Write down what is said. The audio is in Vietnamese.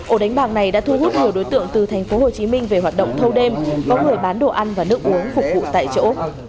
ổ đánh bạc này đã thu hút nhiều đối tượng từ thành phố hồ chí minh về hoạt động thâu đêm có người bán đồ ăn và nước uống phục vụ tại chỗ